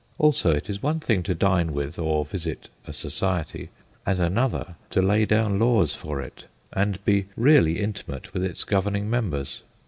Also, it is one thing to dine with or visit a society, and another to lay down laws for it and be really intimate with its governing members.